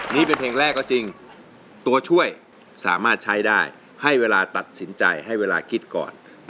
นี่เป็นเพลงแรกก็จริงตัวช่วยสามารถใช้ได้ให้เวลาตัดสินใจให้เวลาคิดก่อน